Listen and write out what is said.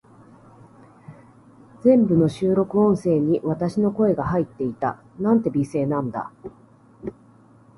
全部の収録音声に、私の声が入っていた。なんて美声なんだ。